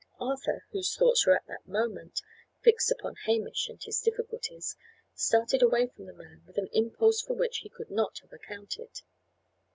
Arthur, whose thoughts were at that moment fixed upon Hamish and his difficulties, started away from the man, with an impulse for which he could not have accounted.